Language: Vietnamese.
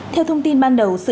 theo thông tin ban đầu